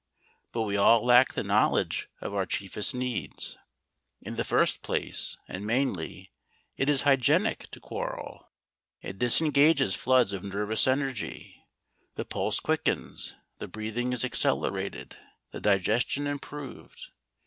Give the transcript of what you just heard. But we all lack the knowledge of our chiefest needs. In the first place, and mainly, it is hygienic to quarrel, it disengages floods of nervous energy, the pulse quickens, the breathing is accelerated, the digestion improved.